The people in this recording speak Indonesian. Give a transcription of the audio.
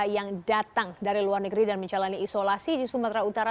yang datang dari luar negeri dan menjalani isolasi di sumatera utara